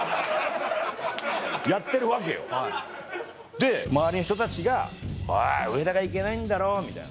で周りの人たちが「おい上田がいけないんだろ」みたいな。